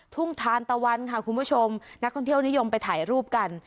ทุ่งทานตะวันค่ะคุณผู้ชมนักท่องเที่ยวนิยมไปถ่ายรูปกัน